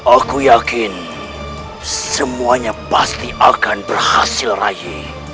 aku yakin semuanya pasti akan berhasil raih